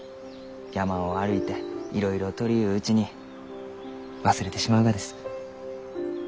山を歩いていろいろ採りゆううちに忘れてしまうがです。